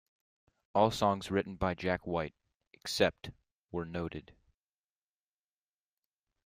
All songs written by Jack White except where noted.